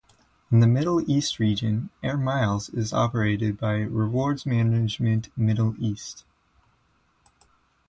In the Middle East region, Air Miles is operated by Rewards Management Middle East.